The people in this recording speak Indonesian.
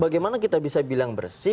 bagaimana kita bisa bilang bersih